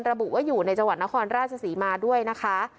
ระบุว่าอยู่ในจังหวัดนครราชศรีมาด้วยนะคะ